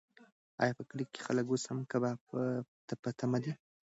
ایا په کلي کې خلک اوس هم کباب ته په تمه دي؟